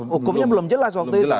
hukumnya belum jelas waktu itu